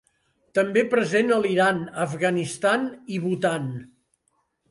També present a l'Iran, Afganistan i Bhutan.